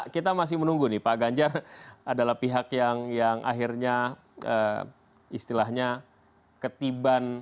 kita masih menunggu nih pak ganjar adalah pihak yang akhirnya istilahnya ketiban